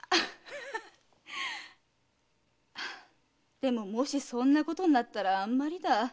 でももしそんなことになったらあんまりだ。